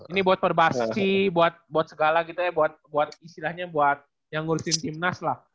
ini buat perbasi buat segala gitu ya buat istilahnya buat yang ngurusin timnas lah